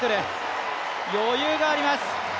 余裕があります。